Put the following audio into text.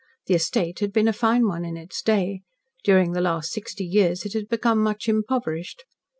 The estate had been a fine one in its day. During the last sixty years it had become much impoverished.